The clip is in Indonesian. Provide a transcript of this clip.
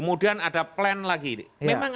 kemudian ada plan lagi memang